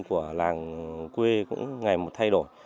của làng quê cũng ngày một thay đổi